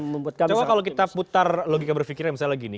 coba kalau kita putar logika berpikirnya misalnya gini